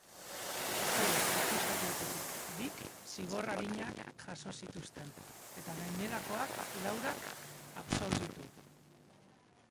Sei akusatuetatik bik zigor arinak jaso dituzte, eta gainerakoak laurak absolbitu.